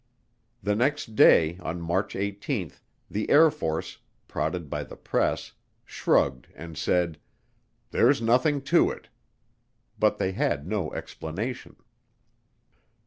The next day, on March 18, the Air Force, prodded by the press, shrugged and said, "There's nothing to it," but they had no explanation.